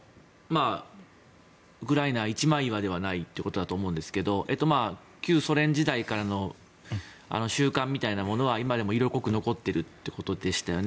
ウクライナ一枚岩ではないということだと思うんですが旧ソ連時代からの習慣みたいなものは今でも色濃く残ってるということでしたよね。